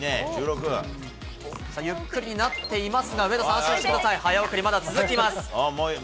ゆっくりになっていますが、上田さん、安心してください、早送り、まだ続きます。